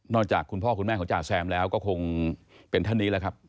จากคุณพ่อคุณแม่ของจ่าแซมแล้วก็คงเป็นท่านนี้แหละครับ